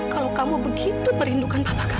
kalau kamu begitu merindukan bapak kamu